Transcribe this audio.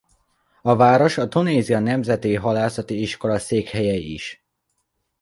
A város a Tunézia Nemzeti Halászati Iskola székhelye is.